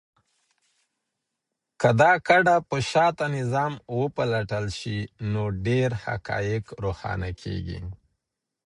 که د کډه په شاته نظام وپلټل سي، نو ډېر حقایق روښانه کيږي.